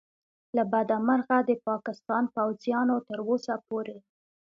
له بده مرغه د پاکستان پوځیانو تر اوسه پورې